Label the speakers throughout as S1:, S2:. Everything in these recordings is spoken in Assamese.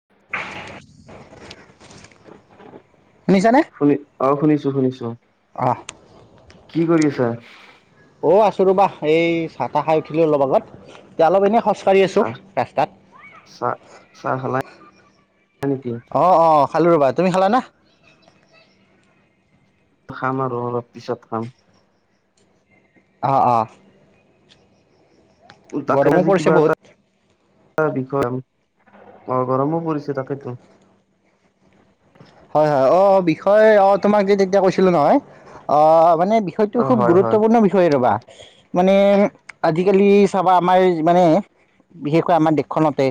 S1: [inaudible] শুনিছানে?
S2: শুনি অ', শুনিছো, শুনিছো।
S1: অহ,
S2: কি কৰি আছা?
S1: অ', আছো ৰ'বা এই চাহ, তাহ খাই উঠিলো অলপ আগত এতিয়া অলপ এনেই খোজকাঢ়ি আছো
S2: চাহ
S1: ৰাস্তাত।
S2: চাহ চাহ খালা নেকি
S1: অহ, অহ, খালো ৰ'বা তুমি খালা না?
S2: খাম আৰু অলপ পিছত খাম।
S1: অহ, অহ।
S2: তাকে আজি
S1: পৰিছে
S2: কিবা
S1: বহুত।
S2: এটা টা বিষয় অহ, গৰমো পৰিছে তাকেইতো।
S1: হয় হয় অহ, বিষয় অহ, তোমাক যে তেতিয়া কৈছিলো নহয়ম অহ মানে বিষয়টো
S2: অ
S1: খুব
S2: হয় হয়
S1: গুৰুত্বপূৰ্ণ বিষয় ৰ'বা মানে আজিকালি চাবা, আমাৰ মানে বিশেষকৈ আমাৰ দেশখনতে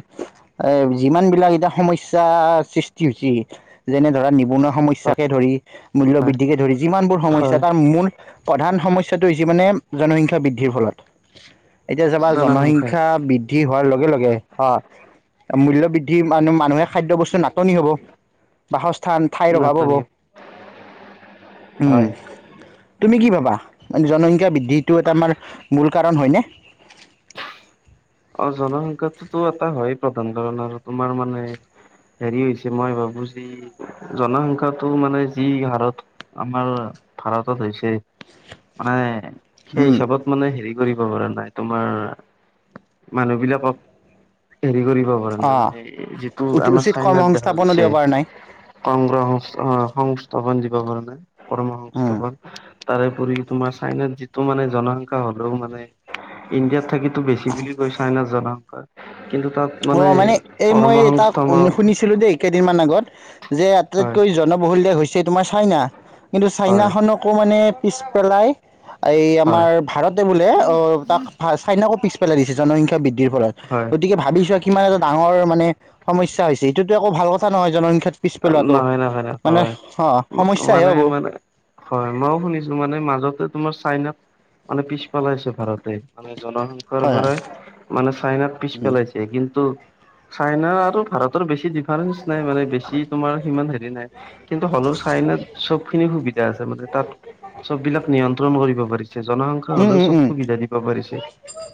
S1: এহ যিমান বিলাক এতিয়া সমস্যা সৃষ্টি হৈছি যেনে ধৰা নিবনুৱা সমস্যাকে ধৰি, মূল্য বৃদ্ধিকে ধৰি যিমানবোৰ সমস্যা
S2: হয়
S1: তাৰ মূল প্ৰধান সমস্যাটো হৈছে মানে, জনসংখ্যা বৃদ্ধিৰ ফলত এতিয়া চাবা জনসংখ্যা বৃদ্ধি হোৱাৰ লগে লগে অ', মূ বৃদ্ধি মানুহ মানুহে খাদ্য বস্তুৰ নাটনি হ'ব। বাস স্থান ঠাইৰ অভাৱ হ'ব,
S2: নাটনি
S1: উম।
S2: হয়
S1: তুমি কি ভাবা? মানে জনসংখ্যা বৃদ্ধিটো এটা আমাৰ মূল কাৰণ হয় নে
S2: অ', জনসংখ্যাটোতো এটা হয় প্ৰধান কাৰণ আৰু তোমাৰ মানে হেৰি হৈছে মই ভাবো যি জনসংখ্যাটো মানে যি হাৰত আমাৰ ভাৰতত হৈছে, মানে সেই
S1: উম
S2: হিচাপত মানে হেৰি কৰিব পৰা নাই তোমাৰ মানুহ বিলাকক হেৰি কৰিব পৰা
S1: অ
S2: নাই মানে, এহ যিটো
S1: উতি
S2: আমাৰ
S1: উচিত কৰ্ম
S2: চাইনাত দেখা
S1: সংস্থাপনো
S2: গৈছে।
S1: দিব পৰা নাই
S2: কৰ্ম সংস্থ-সংস্থাপন দিব পৰা নাই কৰ্ম
S1: উম
S2: সংস্থাপন। তাৰেপৰি তোমাৰ চাইনাত যিটো মানে জনসংখ্যা হ'লেও মানে, ইণ্ডিয়াত থাকিতো বেছি বু জনসংখ্যাৰ
S1: অহ মানে এই মই এটা
S2: সংস্থাপন
S1: অনু-শুনিছিলোঁ দেই কেইদিনমান আগত, যে
S2: হয়
S1: আটাইতকৈ জনবহুল দেশ হৈছে তোমাৰ চাইনা, কিন্তু
S2: হয়
S1: চাইনাখনকো মানে পিছ পেলাই এই
S2: হয়
S1: আমাৰ ভাৰতে বোলে অহ, তাক ভা-চাইনাকো পেলাই দিছে জনসংখ্যা বৃদ্ধিৰ ফলত,
S2: হয়
S1: গতিকে ভাবি চোৱা কিমান এটা ডাঙৰ মানে সমস্যা হৈ এইটোতো একো ভাল কথা নহয় জনসংখ্যাত পিছ পেলোৱাটো,
S2: নহয় নহয়
S1: মানে
S2: হয়
S1: অ, সমস্যা হে
S2: মানে
S1: হ'ব।
S2: মানে হয় মইয়ো শুনিছোঁ মানে মাজতে তোমাৰ চাইনাক, মানে পেলাইছে ভাৰতে আমি জনসংখ্যাৰ
S1: হয় হয়
S2: পৰাই, মানে চাইনাক পিছ
S1: উম
S2: পেলাইছে কিন্তু চাইনা আৰু ভাৰতৰ বেছি ফাৰেঞ্চ নাই মানে বেছি তোমাৰ সিমান হেৰি নাই, কিন্তু হ'লেও চাইনাত চব খিনি সুবিধা আছে। তাত চব বিলাক নিয়ন্ত্ৰণ কৰিব পাৰিছে, জনসংখ্যা
S1: উম
S2: হ'লেও
S1: উম
S2: চব
S1: উম
S2: সুবিধা দিব পাৰিছে।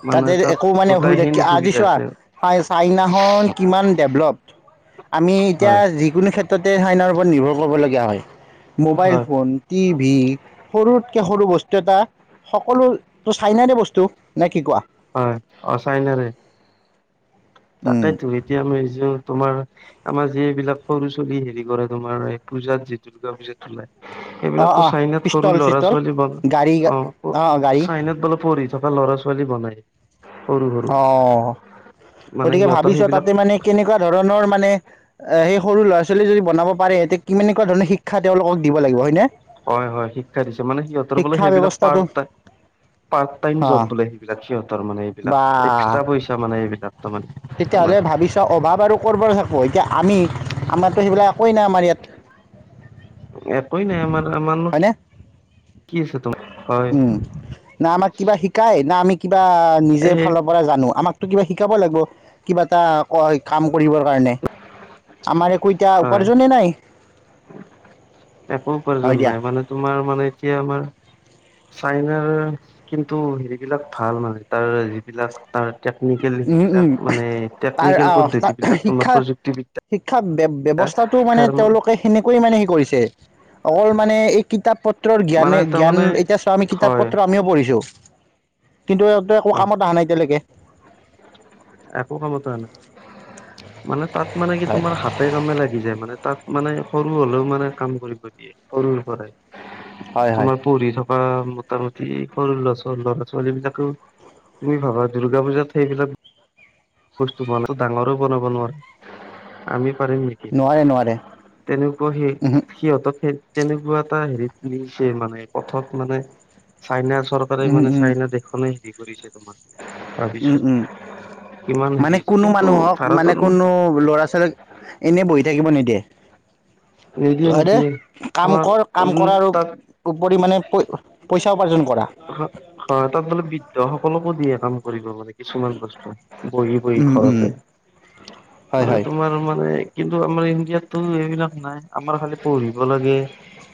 S2: মানে
S1: তাতে
S2: তাত
S1: একো মানে অসুবিধা কি
S2: গোটাইখিনি
S1: আজি
S2: সুবিধা
S1: চোৱা
S2: আছে
S1: চা-চাইনাখন কিমান ডেভে আমি এতিয়া
S2: হয়
S1: যিকোনো ক্ষেত্ৰতে, চাইনাৰ ওপৰত নিৰ্ভৰ কৰিব লগীয়া হয়। মোবাইল
S2: হয়
S1: ফোন টিভি সৰুত কিয়া সৰু বস্তু এটা, সকলোতো চাইনাই বস্তু নে কি কোৱা?
S2: হয়
S1: উম
S2: তাকেইতো এতিয়া [unintelligible] তোমাৰ আমাৰ যি বিলাক সৰু চলি হেৰি কৰে তোমাৰ, এই পূজাত যি দূৰ্গা পূজাত
S1: অঁ
S2: সিবিলাকতো
S1: অঁ
S2: চাইনাত সৰু
S1: পিষ্টল
S2: ল'ৰা
S1: চিষ্টল
S2: ছোৱালী ব
S1: গাড়ী
S2: অ',
S1: অঁ গাড়ী
S2: চাইনাত বোলে পঢ়ি থকা ল'ৰা ছোৱালী বনাই সৰু সৰু
S1: অ',
S2: মানে
S1: গতিকে
S2: সিহঁতৰ
S1: ভাবি চোৱা
S2: সেইবিলাক
S1: তাতে মানে কেনেকুৱা ধৰণৰ মানে সেই সৰু ল'ৰা ছোৱালী যদি বনাব পাৰে এতিয়া কিমাননেকুৱা ধৰণৰ শিক্ষা তেওঁলোকক দিব লাগিব হয় নে?
S2: হয় হয় শিক্ষা দিছে মানে সিহঁতৰ বোলে সেইবিলাক
S1: ব্যৱস্থাটো
S2: পাৰ্ট টাই পাৰ্ট টাইম
S1: হা
S2: জব বোলে সেইবিলাক সিহঁতৰ মানে। এইবিলাক
S1: বা,
S2: এক্সট্ৰা পইচা মানে এইবিলাক তাৰমানে তোমাৰ
S1: তেতিয়াহ'লে ভাবি চোৱা অভাৱ আৰু ক'ৰ পৰা থাকিব, এতিয়া আমি [inaudible] নাই আমাৰ ইয়াত
S2: একেই নাই আমাৰ আমাৰ
S1: হয়নে
S2: কি [inaudible] হয়
S1: উম না আমাক কিবা শিকাই না আমি কিবা নিজে
S2: এই
S1: ফালৰ পৰা জানো আমাক কিবা শিকাব লাগিব কিবা এটা ক কাম
S2: হয়
S1: [unintelligible]
S2: একো উপাৰ্জন
S1: হয় দিয়া
S2: নাই মানে তোমাৰ মানে এতিয়া আমাৰ চাইনাৰ কিন্তু হেৰিবিলাক ভাল মানে তাৰ যিবিলাক তাৰ টেকনিকেল
S1: উম
S2: সেইবিলাক
S1: উম
S2: মানে
S1: তাৰ
S2: টেকনিকেল
S1: আহ তাৰ
S2: পদ্ধতিবিলাক তোমাৰ
S1: শিক্ষা
S2: প্ৰযুক্তিবিদ্যা
S1: শিক্ষা ব ব্যৱস্থাটোমানে
S2: শিক্ষাৰ
S1: তেওঁলোকে সেনেকৈে মানে সে কৰিছে অকল মানে এই কিতাপ পত্ৰৰ
S2: মানে
S1: জ্ঞানে জ্ঞান
S2: তাৰমানে
S1: এতিয়া চোৱা আমি কিতাপ
S2: হয়
S1: পত্ৰ আমিও পঢ়িছোঁ কিন্তু একো
S2: অ
S1: কামত অহা নাই এতিয়ালৈকে
S2: একো কামত অহা নাই মানে তাত মানে কি
S1: হয়।
S2: তোমাৰ হাতে কামে লাগি যায় মানে তাত মানে সৰু হ'লেও মানে কাম কৰিব দিয়ে সৰুৰ পৰাই
S1: হয় হয়
S2: তোমাৰ পঢ়ি থকা মোটামুটি সৰু লৰা ছ ল'ৰা ছোৱালী বিলাকে তুমি ভাবা দূৰ্গা পূজাত সেইবিলাক বস্তু বান ডাঙৰ বনাব নোৱাৰে আমি প নেকি
S1: নোৱাৰে নোৱাৰে
S2: তেনেকুৱা সি
S1: উহু
S2: সিহঁতক সেই তেনেকুৱা এটা হেৰিতুলিছে মানে পথত মানে চাইনা চৰকাৰে
S1: উহু
S2: মানে
S1: উম
S2: চাইনা দেশখনে হেৰি কৰিছে তোমাৰ
S1: উম উম
S2: ভাবিছ
S1: মানে কোনো মানুহক মানে কোনো ল'ৰা ছোৱালীক এনে বহি থাকিব নিদিয়ে
S2: নিদিয়ে
S1: হয় দে
S2: নিদিয়ে
S1: কাম
S2: তোমাৰ
S1: কৰ কাম
S2: উম
S1: কৰাৰ
S2: তাত
S1: উপৰি মানে পইচা উপাৰ্জন কৰা।
S2: হয় তাত বোলে বৃদ্ধ সকলকো দিয়ে কাম কৰিব মানে কিছুমান বস্তু বহি বহি
S1: উম উম
S2: ঘৰতে
S1: হয়
S2: মানে
S1: হয়
S2: তোমাৰ মানে কিন্তু আমাৰ ইণ্ডিয়াতটো এইবিলাক নাই আমাৰ খালি পঢ়িব লাগে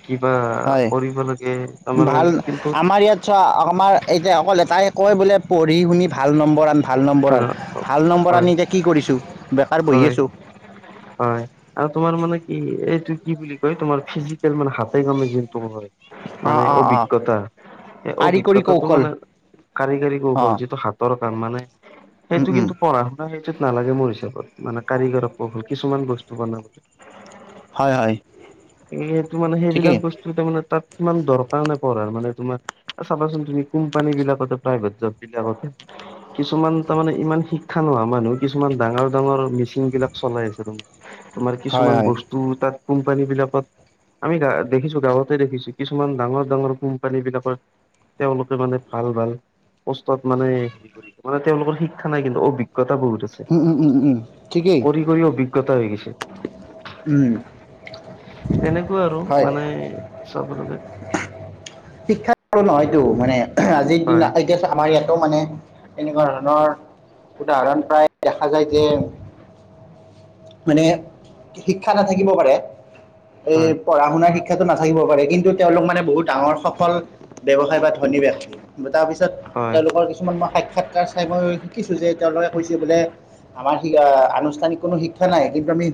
S2: কিবা
S1: হয়
S2: কৰিব লাগে তাৰমানে
S1: ভাল
S2: কিন্তু
S1: আমাৰ ইয়াত আমাৰ এতিয়া অকল এটাই কয় বোলে পঢ়ি শুনি ভাল নম্বৰ আন ভাল নম্বৰ আন ভাল নম্বৰ
S2: হয়
S1: আনি এতিয়া কি কৰিছোঁ বেকাৰ বহি
S2: হয়
S1: আছোঁ
S2: হয় আৰু তোমাৰ মানে কি এইটো কি বুলি কয় তোমাৰ ফিজিকেল মানে হাতে কমে য
S1: অ
S2: মানে
S1: অ অ
S2: অভিজ্ঞতা এই
S1: কাৰিকৰী
S2: অভিজ্ঞতাটো
S1: কৌশল
S2: মানে কাৰিকৰী
S1: অ
S2: কৌশল যিটো হাতৰ মানে
S1: উম
S2: সেইটো
S1: উম
S2: কিন্তু পঢ়া শুনা সেইটোত নালাগে মোৰ হিচাপত মানে কাৰিগৰ কি কিছুমান বস্তু বনাবলৈ
S1: হয় হয়
S2: এইটো মানে সেইবিলাক
S1: ঠিকেই
S2: বস্তু তাৰ মানে তাত কিমান দৰকাৰ নাই পঢ়াৰ মানে তোমাৰ চাবাচোন তুমি কোম্পানী বিলাক প্ৰাইভেট জব বিলাক যাবতে কিছুমান তাৰমানে ইমান শিক্ষা নহয় মানুহ কিছুমান ডাঙৰ ডাঙৰ মেচিন বিলাক চলাই আছে তাৰমান তোমাৰ
S1: হয়
S2: কিছুমান
S1: হয়
S2: বস্তু তাত কোম্পানী বিলাকত আমি গা দেখিছো গাঁৱতে দেখিছো কিছুমান ডাঙৰ ডাঙৰ কোম্পানী বিলাকৰ তেওঁলোকে মানে ভাল ভাল পত মানে হেৰি কৰিছে মানে তেওঁলোকৰ শিক্ষা নাই কিন্তু অভিজ্ঞ বহুত আছে
S1: উম উম উম উম ঠিকেই
S2: কৰি কৰি অভিজ্ঞতা হৈ গৈছে
S1: উম
S2: তেনেকুৱা আৰু
S1: হয়
S2: মানে চবলে
S1: শ্ষো নহয়তো মানে আজিৰ দিনা
S2: হয়
S1: এতিয়া আমাৰ ইয়াতো মানে এনেকুৱা ধৰণৰ উদাহৰণ প্ৰায় দেখা যায় যে মানে শিক্ষা নাথাকিব পাৰে এই
S2: হয়
S1: পঢ়া শুনাৰ শিক্ষাটো নাথাকিব পাৰে কিন্তু তেওঁলোক মানে বহুত ডাঙৰ সফল ব্য্ৱসায় বাতি ধনী ব্যক্তি তাৰপিছত
S2: হয়
S1: তেওঁলোকৰ কিছুমান মই সাক্ষাৎকাৰ চাই মই শিকিছোঁ যে তেওঁলোকে কৈছে বোলে আমাৰ শ আনুষ্ঠানিক কোনো শিক্ষা নাই কিন্তু আমি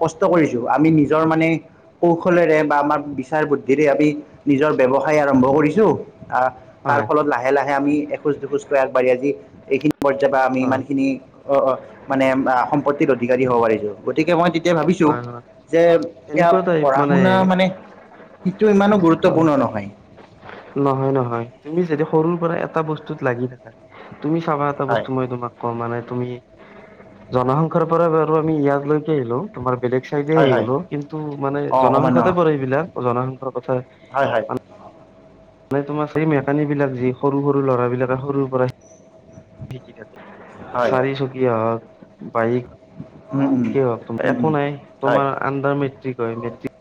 S1: কষ্ট কৰিছো আমি নিজৰ মানে কৌশলেৰে বা আমাৰ বিচাৰ বুদ্ধিৰে আমি নিজৰ ব্যবসায় আৰম্ভ কৰিছো অ', তাৰ
S2: হয়
S1: ফলত লাহে লাহে আমি এখোজ দুখোজকৈ আগবাঢ়ি আজি এইখিনি পৰ্যায় বা আমি
S2: হয়
S1: ইমানখিনি অ', অ', মানে সম্পত্তিৰ অধিকাৰী হ'ব পাৰিছো গতিকে মই এতিয়া ভাবিছো
S2: হয় হয়
S1: যে এতিয়া
S2: এনেকুৱা টাইপ
S1: পঢ়া-শুনা মানে সিটো ইমানো
S2: হয়
S1: গুৰুত্বপূৰ্ণ নহয়।
S2: নহয়, নহয় তুমি যদি সৰুৰ পৰা এটা বস্তুত লাগি থাকা তুমি চাবা এটা
S1: হয়
S2: বস্তু মই তোমাক কম মানে। তুমি জনসংখ্যাৰ পৰা বাৰু আমি ইয়াত লৈকে আহিলো তোমাৰ বেলেগ চাইডে
S1: হয়
S2: আহি
S1: হয়
S2: গ'লো কিন্তু মানে
S1: অঁ অকমান
S2: জনসংখ্যাতে
S1: অঁ
S2: পৰে এইবিলাক জনসংখ্যাৰ কথা
S1: হয় হয়।
S2: মানে তোমাৰ সেই মেকানিক বিলাক যি সৰু সৰু ল'ৰাবলাকে সৰুৰ পৰা শিকি থাকে
S1: হয়
S2: চাৰি চকীয়া হওঁক, বাইক।
S1: উম উম
S2: কি হওঁক তোমাৰ
S1: উম
S2: একো
S1: উম
S2: নাই
S1: হয়
S2: তোমাৰ আণ্ডাৰ মেট্ৰিক হয় মেট্ৰিক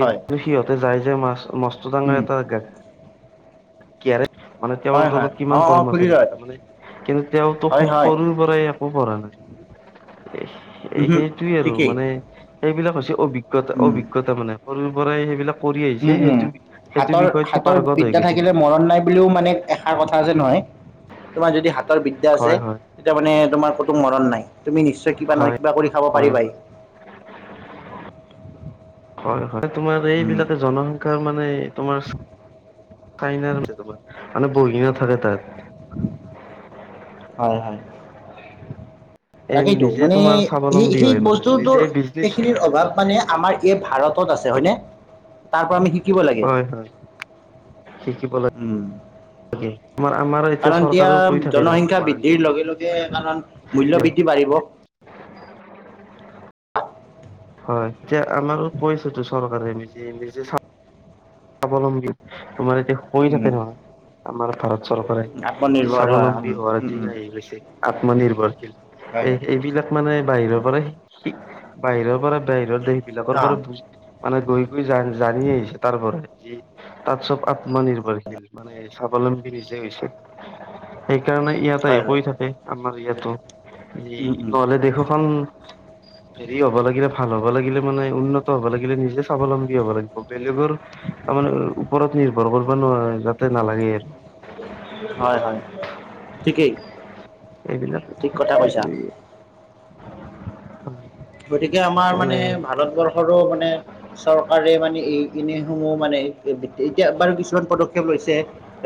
S1: হয়
S2: সিহঁতে যায় যে মা মস্ত ডাঙৰ
S1: উম
S2: এটাৰে মানে তেওঁৰ
S1: হয় হয়
S2: তলত কিমান
S1: অঁ অঁ খুলি
S2: কৰ্মচাৰী
S1: লয়
S2: তাৰ মানে কিন্তু তেওঁতো
S1: হয় হয়
S2: সৰুৰ পৰাই একো পঢ়া নাই। এ
S1: উমহু
S2: সেইটোয়ে আৰু
S1: ঠিকেই
S2: মানে এইেইবিলাক হৈছে অভিজ্ঞতা
S1: উম
S2: অভিজ্ঞ সৰুৰ পৰাই সেইবিলাক
S1: উম, উম
S2: সেইটো সেইটো
S1: হাতৰ,
S2: বিষয়ত সি
S1: হাতৰ
S2: পাৰ্গত হৈ
S1: বিদ্যা
S2: গৈছে
S1: থাকিলে
S2: মানে তাৰমানে
S1: মৰণ নাই বুলিও মানে এষাৰ কথা যে নহয়। তোমাৰ যদি হাতৰ বিদ্যা আছে
S2: হয় হয়
S1: তেতিয়া মানে তোমাৰ কোনতো মৰণ নাই। তুমি নিশ্চয় কিবা নহয়
S2: হয়
S1: কিবা কৰি খাব
S2: হয়
S1: পাৰিবাই।
S2: হয় হয় তোমাৰ
S1: উম
S2: এইবিলাকে জনসংখ্যাৰ মানে তোমাৰ চাইনাৰ মানে তোমাৰ মানে বহি নাথাকে তাত।
S1: হয়, হয়।
S2: এ
S1: তাকেইতো
S2: নিজে
S1: মানে
S2: তোমাৰ
S1: সেই
S2: স্বাৱলম্বী
S1: সেই
S2: হয় মানে নিজে
S1: বস্তুটোৰ
S2: বিজনেচ
S1: সেইখিনিৰ অভাৱ মানে আমাৰ এই ভাৰতত আছে। হয়নে? তাৰ পৰা আমি শিকিব লাগে।
S2: কি কি বল
S1: উম
S2: তোমাৰ আমাৰ এতিয়া
S1: কাৰণ
S2: চৰকাৰেও কৰি থাকে দেখোন
S1: জনসংখ্যা
S2: তোমাৰ এ
S1: বৃদ্ধিৰ
S2: [inaudible]
S1: লগে লগে কাৰণ মূল্য বৃদ্ধি বাঢ়িব
S2: হয়, এতিয়া আমাৰো কৈছেতো চৰকাৰে নিজে নিজে চা স্বাৱলম্বী তোমাৰ এতিয়া হৈ
S1: উম
S2: থাকে নহয় আমাৰ ভাৰত চৰকাৰে।
S1: আত্মনিৰ্ভৰ হয় উম
S2: স্বাৱলম্বী হোৱাৰ
S1: উম
S2: দিন
S1: উম
S2: আহি গৈছে আত্মনিৰ্ভৰশীল।
S1: হয় হয়
S2: এ এইবিলাক মানে বাহিৰৰ পৰা বাহিৰৰ পৰা বাহিৰৰ দেশ বিলাকৰ
S1: অ
S2: পৰা মানে গৈ গৈ জানি আহিছে তাৰ পৰাই। তাত চব আত্মনিৰ্ভৰশীল মানে স্বাৱলম্বী নিজে হৈছে সে সেইকাৰণে ইয়তে আহি
S1: হয় হয়
S2: কৈ থাকে আমাৰ ইয়াতো
S1: উম উম
S2: নহ'লে দেশোখন হেৰি হ'ব লাগিলে ভাল হ'ব লাগিলে মানে উন্নত হ'ব লাগে। নিজে স্বাৱলম্বী হ'ব লাগিব বেলেগৰ তাৰমানে ওপৰত নিৰ্ভৰ কৰিব নোৱাৰে যাতে নালাগে আৰু।
S1: হয়, হয় ঠিকেই।
S2: এইবিলাক
S1: ঠিক কথা কৈছা গতিকে আমাৰ মানে ভাৰতবৰ্ষৰো মানে চৰকাৰে মানে এইখিনি সমূহ মানে [unintelligible] এতিয়া বাৰু কিছুমান পদক্ষেপ লৈছে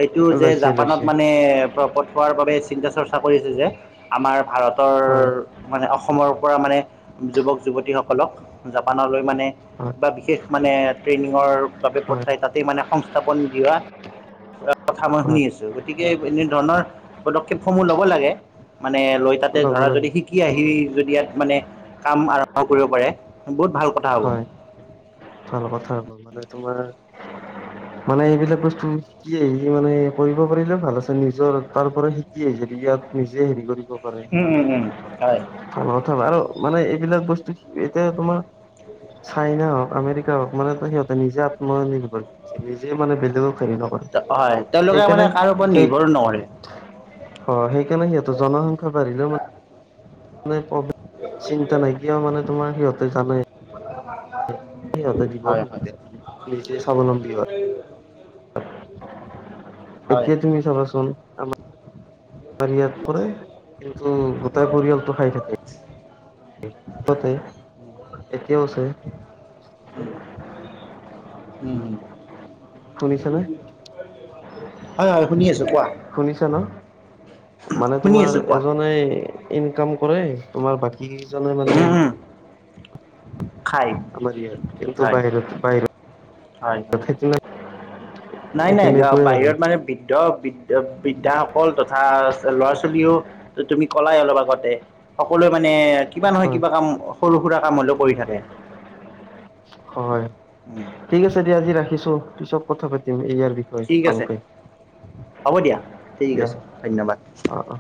S1: এইটো যে
S2: লৈছে
S1: জাপানত
S2: লৈছে
S1: মানে পঠোৱাৰ বাবে চিন্তা চৰ্চা কৰিছে যে আমাৰ ভাৰতৰ
S2: হয়
S1: মানে অসমৰ পৰা মানে যুৱক-যুৱতীসকলক জাপানলৈ মানে
S2: হয়
S1: বা বিশেষ মানে ট্ৰেইনিঙৰ বাবে
S2: হয়
S1: পঠাই তাতেই মানে সংস্থাপন দিয়া কথা মই শুনি
S2: হয়
S1: আছো গতিকে এনে ধৰণৰ পদক্ষেপসমূহ ল'ব লাগে। মানে লৈ তাতে
S2: ল'ব
S1: ধৰা যদি
S2: লাগে
S1: শিকি আহি যদি ইয়াত মানে কাম আৰম্ভ কৰিব পাৰে বহুত ভাল কথা হ'ব
S2: হয় ভাল কথাৰ মানে তোমাৰ মানে এইবিলাক বস্তু শিকি আহি মানে কৰিব পাৰিলে ভাল আছে নিজৰ তাৰ পৰা শিকি আহি
S1: উম উম উম হয়
S2: [unintelligible] মানে এইবিলাক বস্তু এতিয়া তোমাৰ চাইনা হওক আমেৰিকা হওক মানে সিহঁতে নিজে আত্ম নিৰ্ভৰ নিজে মানে বেলেগক হেৰি নকৰে
S1: হয় তেওঁলোকে মানে কাৰো ওপৰত
S2: সেইকাৰণে সেই
S1: নিৰ্ভৰ নকৰে
S2: অ সেইকাৰণে সিহঁতৰ জনসংখ্যা বাঢ়িলে মানে মানেৱ চিন্তা নাইকিয়া মানে তোমাৰ সিহঁতে জানে সটা দিব
S1: হয় হয়
S2: অসুবিধা নি স্বাৱলম্বী হয়
S1: হয়
S2: এতিয়া তুমি চাবাচোন ইয়াত পৰে কিন্তু গোটাই পৰিয়ালটো খাই থাকে [unintelligible]
S1: উম
S2: শুনিছানে
S1: হম হয় হয় শুনি আছোঁ কোৱা
S2: শুনিছা ন মানে
S1: শুনি
S2: তোমাৰ
S1: আছোঁ কোৱা
S2: এজনে ইনকাম কৰে তোমাৰ বাকী কিজনে মানে
S1: [unintelligible] খায়
S2: আমাৰ ইয়াত কিন্তু
S1: হয়
S2: বাহিৰত বাহিৰত
S1: হয়
S2: খেতি
S1: নাই নাইা
S2: তেনেকুৱাই আৰু
S1: বাহিৰত মানে বৃদ্ধৃ বৃদ্ধাাসকল তথা ল'ৰা ছোৱালীও ত তুমি কলাই অলপ আগটে সকলোৱে মানে কিবা নহয়
S2: হয়
S1: কিবা কাম সৰু সুৰা কাম হলেও কৰি থাকে
S2: হয়
S1: উম,
S2: ঠিক আছে দিয়া আজি ৰাখিছো পিছত কথা পাতিম এইয় আৰু বিষয়
S1: ঠিক আছে
S2: ভালকে
S1: হ'ব দিয়া ঠিক
S2: দিয়া
S1: আছে ধন্যবাদ
S2: অ অ